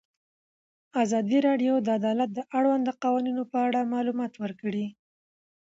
ازادي راډیو د عدالت د اړونده قوانینو په اړه معلومات ورکړي.